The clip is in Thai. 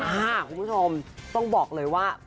คุณผู้ชมต้องบอกเลยว่า